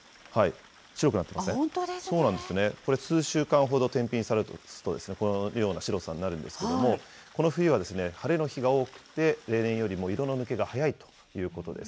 これ、数週間ほど天日にさらすと、このような白さになるんですけれども、この冬は晴れの日が多くて、例年よりも色の抜けが早いということです。